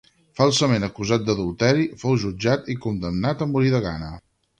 Falsament acusat d'adulteri, fou jutjat i condemnat a morir de gana.